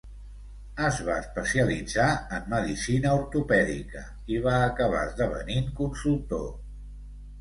Es va especialitzar en medicina ortopèdica, i va acabar esdevenint consultor.